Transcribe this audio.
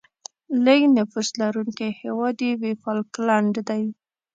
لیږ نفوس لرونکی هیواد یې وفالکلند دی.